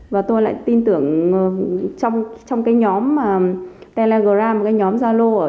và tôi lại tin tưởng trong cái nhóm telegram cái nhóm zalo